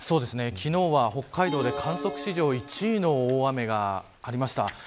昨日は北海道で観測史上１位の大雨がありました。